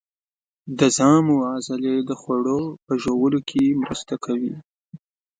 د ژامو عضلې د خوړو په ژوولو کې مرسته کوي.